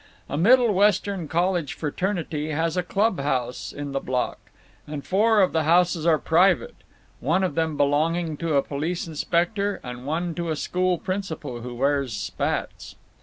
A Middle Western college fraternity has a club house in the block, and four of the houses are private—one of them belonging to a police inspector and one to a school principal who wears spats.